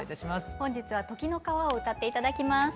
本日は「時の川」を歌って頂きます。